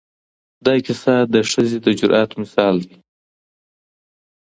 دا کیسه د ښځې د جرأت مثال دی.